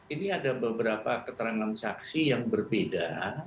ini ada beberapa keterangan saksi yang berbeda